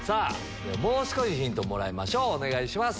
もう少しヒントをもらいましょうお願いします。